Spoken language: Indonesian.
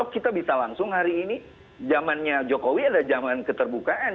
kita bisa langsung hari ini zamannya jokowi adalah zaman keterbukaan